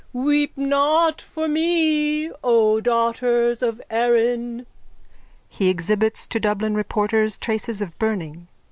_ Weep not for me, O daughters of Erin. _(He exhibits to Dublin reporters traces of burning.